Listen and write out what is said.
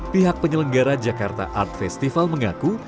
pihak penyelenggara jakarta art festival mengaku